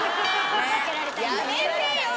やめてよ